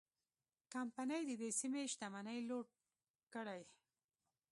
کمپنۍ د دې سیمې شتمنۍ لوټ کړې.